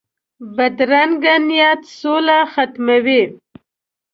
بدرنګه نیت سوله ختموي